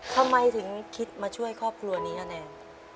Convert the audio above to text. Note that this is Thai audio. ทำไมถึงคิดมาช่วยครอบครัวนี้อะแนน